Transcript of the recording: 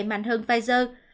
mạnh hơn pfizer